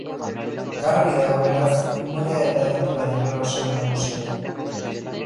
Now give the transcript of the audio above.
Garbi dago, beraz, umorea eta abentura direla osagai nagusiak.